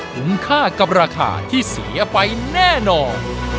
คุ้มค่ากับราคาที่เสียไปแน่นอน